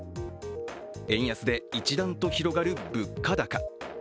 円安で一段と広がる物価高。